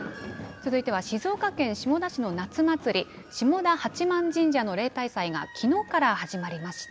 続いては静岡県下田市の夏祭り、下田八幡神社の例大祭がきのうから始まりました。